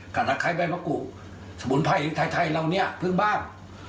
ขาดะไข้ใบมะกรูสมุนไพรไทยไทยเราเนี่ยพึงบ้าน